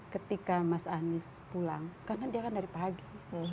ketika mas anies pulang karena dia kan dari pagi